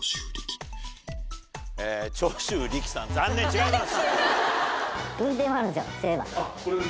えぇ長州力さん残念違います。